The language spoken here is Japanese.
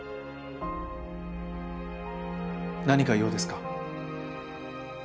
何か用ですか？